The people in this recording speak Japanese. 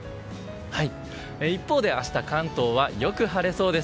一方で明日、関東はよく晴れそうです。